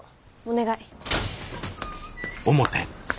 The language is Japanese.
お願い。